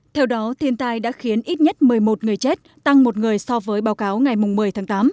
theo đó thiên tai đã khiến ít nhất một mươi một người chết tăng một người so với báo cáo ngày một mươi tháng tám